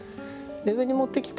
上に持ってきた